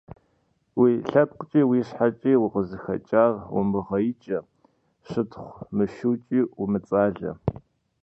Уи лъэпкъкӀи уи щхьэкӀи укъызыхэкӀар умыгъэикӀэ, щытхъу мышукӀи умыцӀалэ.